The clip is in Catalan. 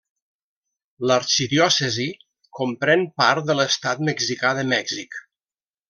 L'arxidiòcesi comprèn part de l'estat mexicà de Mèxic.